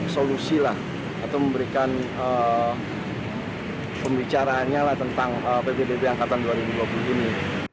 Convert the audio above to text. solusi lah atau memberikan pembicaraannya lah tentang ppdb angkatan dua ribu dua puluh ini